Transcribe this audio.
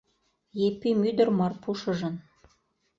Епим ӱдыр Марпушыжын